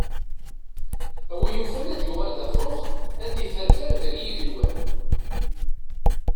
A wi yufan ad yuɣal d afrux, ad yefferfer deg yigenwan.